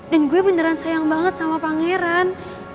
dan gue beneran sayang banget sama pangeran